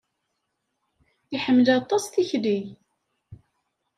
Iḥemmel aṭas tikli.